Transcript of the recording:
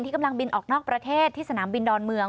กำลังบินออกนอกประเทศที่สนามบินดอนเมือง